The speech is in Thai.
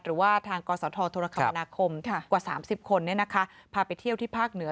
หรือว่าทางกศธนาคมกว่า๓๐คนเนี่ยนะคะพาไปเที่ยวที่ภาคเหนือ